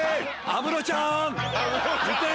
安室ちゃん！